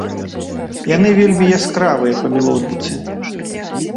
Яны вельмі яскравыя па мелодыцы.